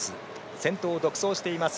先頭を独走しています